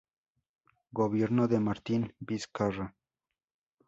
Gobierno de Martín Vizcarra